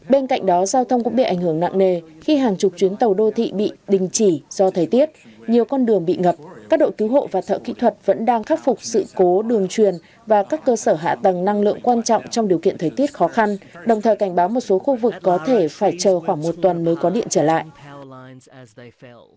bên cạnh đó giao thông cũng bị ảnh hưởng nặng nề khi hàng chục chuyến tàu đô thị bị đình chỉ do thời tiết nhiều con đường bị ngập các đội cứu hộ và thợ kỹ thuật vẫn đang khắc phục sự cố đường truyền và các cơ sở hạ tầng năng lượng quan trọng trong điều kiện thời tiết khó khăn đồng thời cảnh báo một số khu vực có thể phải chờ khoảng một tuần mới có điện trở lại